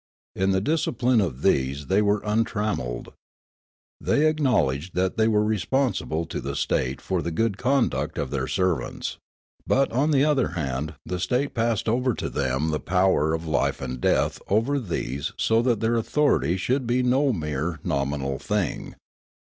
In the discipline of these they were un trammelled. The}' acknowledged that they were re sponsible to the state for the good conduct of their servants ; but on the other hand the state passed over to them the power of life and death over these so that their authority should be no mere nominal thing.